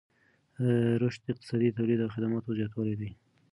رشد اقتصادي د تولید او خدماتو زیاتوالی دی.